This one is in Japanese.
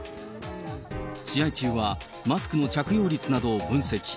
試合中はマスクの着用率などを分析。